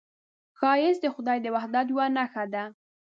ښایست د خدای د وحدت یوه نښه ده